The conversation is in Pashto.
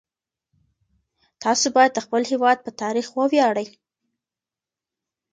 تاسو باید د خپل هیواد په تاریخ وویاړئ.